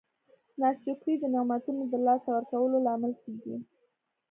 ناشکري د نعمتونو د لاسه ورکولو لامل کیږي.